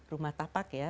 rumah tapak ya